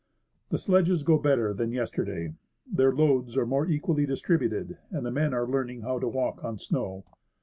The sledges go better than yesterday ; their loads are more equally distributed, and the men are learning how to walk on snow.